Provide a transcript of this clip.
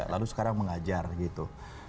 lalu sekarang mengajar gitu